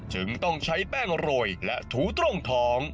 จึงต้องใช้แป้งโรยและถูตรงท้อง